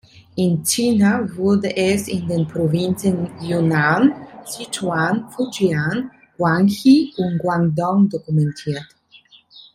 In China wurde es in den Provinzen Yunnan, Sichuan, Fujian, Guangxi und Guangdong dokumentiert.